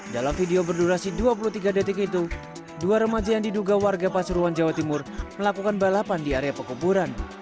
dalam video berdurasi dua puluh tiga detik itu dua remaja yang diduga warga pasuruan jawa timur melakukan balapan di area pekuburan